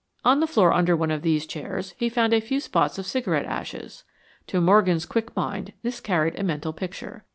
On the floor under one of these chairs he found a few spots of cigarette ashes. To Morgan's quick mind this carried a mental picture.